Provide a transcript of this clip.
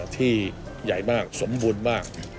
ที่ใหญ่มากสมบูรณ์มาก